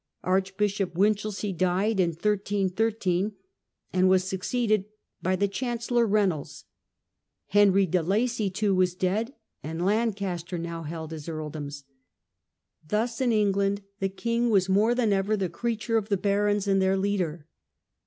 Archbishop Winchelsey died in 13 13, and was succeeded by the Chancellor Reynolds. Henry de Lacy, too, was dead, and Lancaster now held his earldoms. Thus in Eng land the king was more than ever the creature of the barons and their leader.